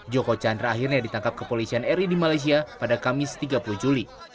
joko chandra akhirnya ditangkap kepolisian ri di malaysia pada kamis tiga puluh juli